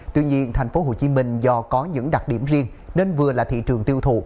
tuy nhiên thành phố hồ chí minh do có những đặc điểm riêng nên vừa là thị trường tiêu thụ